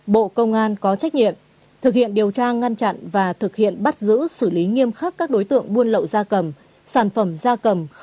năm bộ công an có trách nhiệm thực hiện điều tra ngăn chặn và thực hiện bắt giữ xử lý nghiêm khắc các đối tượng buôn lậu gia cầm